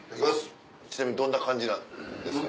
ちなみにどんな感じなんですか？